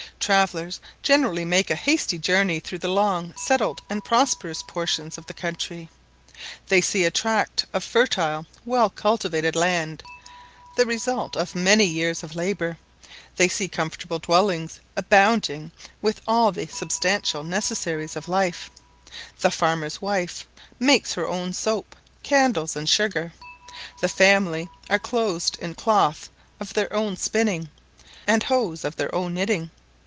Travellers generally make a hasty journey through the long settled and prosperous portions of the country; they see a tract of fertile, well cultivated land, the result of many years of labour; they see comfortable dwellings, abounding with all the substantial necessaries of life; the farmer's wife makes her own soap, candles, and sugar; the family are clothed in cloth of their own spinning, and hose of their own knitting.